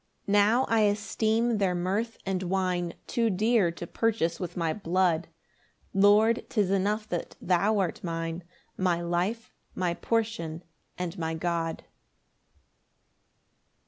5 Now I esteem their mirth and wine Too dear to purchase with my blood; Lord, 'tis enough that thou art mine, My life, my portion, and my God.